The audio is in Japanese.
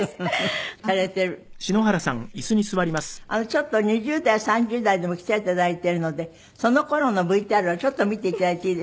ちょっと２０代３０代でも来ていただいてるのでその頃のＶＴＲをちょっと見ていただいていいですか？